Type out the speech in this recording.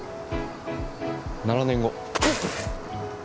７年後。